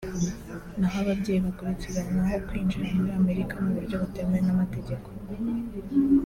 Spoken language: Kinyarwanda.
naho ababyeyi bakurikiranwaho kwinjira muri Amerika mu buryo butemewe n’amategeko